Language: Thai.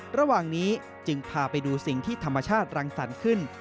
ระหว่างนี้จึงพาไปดูสิ่งที่ธรรมชาติรังสรรค์ขึ้น